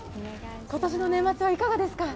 今年の年末はいかがですか。